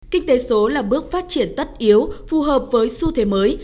kinh tế số là bước phát triển tất yếu phù hợp với xu thế mới